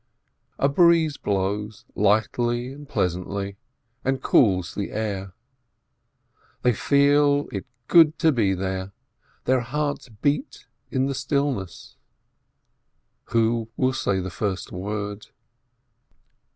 A breeze blows, lightly and pleasantly, and cools the air. They feel it good to be there, their hearts beat in the stillness. Who will say the first word?